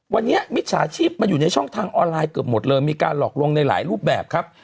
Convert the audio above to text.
วันนี้มิจฉาชีพมาอยู่ในช่องทางออนไลน์เกือบหมดเลยมีการหลอกลวงในหลายรูปแบบครับ